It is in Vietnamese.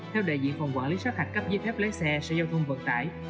theo đại diện phòng quản lý sát hạch cấp giấy phép lái xe sở giao thông vận tải